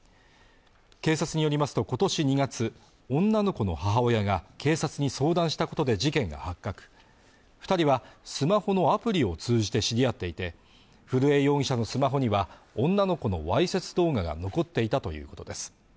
警察によりますと今年２月女の子の母親が警察に相談したことで事件が発覚二人はスマホのアプリを通じて知り合っていて古江容疑者のスマホには女の子のわいせつ動画が残っていたということです